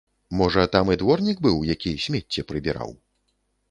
Можа, там і дворнік быў, які смецце прыбіраў?